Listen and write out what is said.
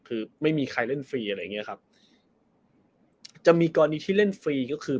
คือไม่มีใครเล่นฟรีอะไรอย่างเงี้ยครับจะมีกรณีที่เล่นฟรีก็คือ